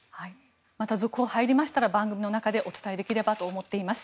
また、続報入りましたら番組の中でお伝えできればと思っています。